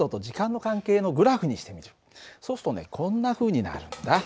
そうするとねこんなふうになるんだ。